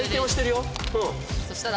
そしたら。